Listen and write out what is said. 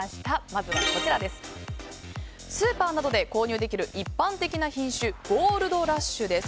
まずはスーパーなどで購入できる一般的な品種ゴールドラッシュです。